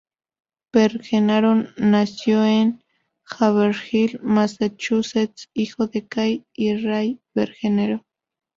Bergeron nació en Haverhill, Massachusetts, hijo de Kay y Ray Bergeron.